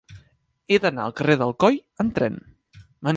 He d'anar al carrer d'Alcoi amb tren.